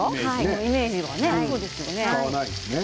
イメージだそうですよね。